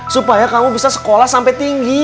supaya kamu bisa sekolah sampai tinggi